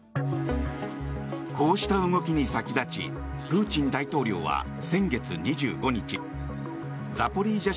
こうした動きに先立ちプーチン大統領は先月２５日ザポリージャ